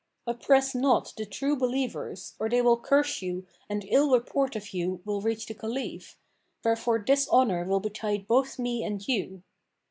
Oppress not the True Believers, or they will curse you and ill report of you will reach the Caliph, wherefore dishonour will betide both me and you.